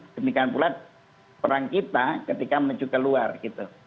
demikian pula perang kita ketika menuju ke luar gitu